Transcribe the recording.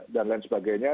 dan lain sebagainya